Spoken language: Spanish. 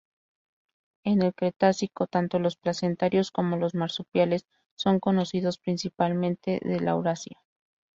En el Cretácico, tanto los placentarios como los marsupiales son conocidos principalmente de Laurasia.